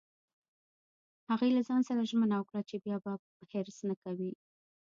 هغې له ځان سره ژمنه وکړه چې بیا به حرص نه کوي